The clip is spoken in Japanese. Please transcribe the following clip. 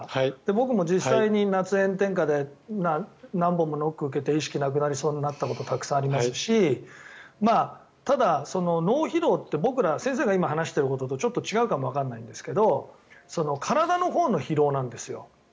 僕も実際に夏、炎天下で何本もノックを受けて意識がなくなりそうになったことたくさんありますしただ、脳疲労って僕ら、先生が今話していることと違うかもわからないんですが体のほうの疲労なんですよ。